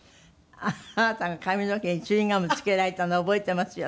あなたが髪の毛にチューインガムを付けられたの覚えていますよ